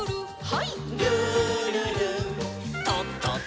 はい。